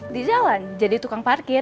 di jalan jadi tukang parkir